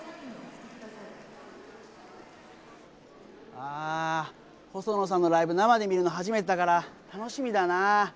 あ細野さんのライブ生で見るの初めてだから楽しみだな。